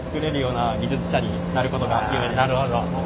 なるほど。